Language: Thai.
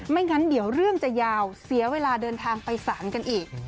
งั้นเดี๋ยวเรื่องจะยาวเสียเวลาเดินทางไปสารกันอีก